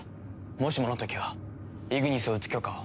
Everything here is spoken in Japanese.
もしものときはイグニスを撃つ許可を。